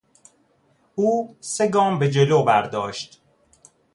او سه گام به جلو برداشت.